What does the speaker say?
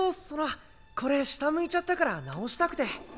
そのこれ下向いちゃったから直したくて。